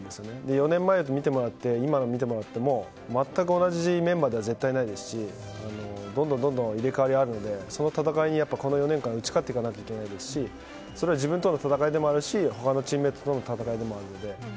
４年前を見てもらって今を見てもらっても全く同じメンバーでは絶対、ないですしどんどん、入れ替わりがあるのでその戦いにこの４年間打ち勝っていかないといけないですしそれは自分との戦いでもあるし他のチームメートとの戦いでもあるので。